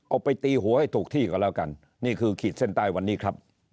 เอาไปตีหัวให้ถูกที่ก็แล้วกันนี่คือขีดเส้นใต้วันนี้ครับ